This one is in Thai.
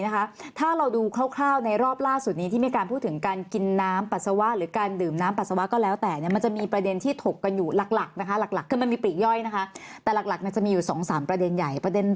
คุณผู้ชมคะถ้าเราดูคร่าวในรอบล่าสุดนี้